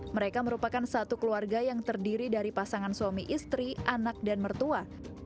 mereka merupakan satu keluarga yang terdiri dari pasangan suami istri anak dan mertua